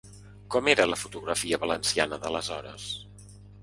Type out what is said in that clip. Com era la fotografia valenciana d’aleshores?